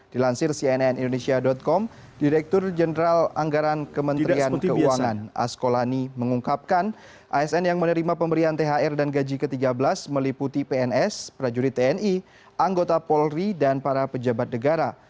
dilansir cnn indonesia com direktur jenderal anggaran kementerian keuangan asko lani mengungkapkan asn yang menerima pemberian thr dan gaji ke tiga belas meliputi pns prajurit tni anggota polri dan para pejabat negara